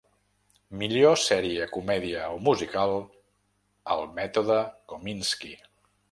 Millor sèrie comèdia o musical: ‘El mètode Kominsky’